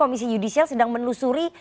komisi yudisial sedang menelusuri